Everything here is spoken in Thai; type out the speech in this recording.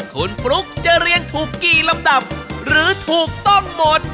คุณฟลุ๊กจะเรียงถูกกี่ลำดับหรือถูกต้องหมด